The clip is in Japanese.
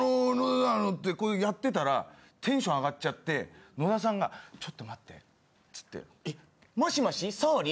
「あの」ってやってたらテンション上がっちゃって野田さんがちょっと待ってつってもしもし総理？